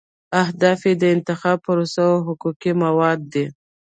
اهداف یې د انتخاب پروسه او حقوقي موارد دي.